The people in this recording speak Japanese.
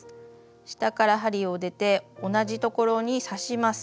下から針を出て同じところに刺します。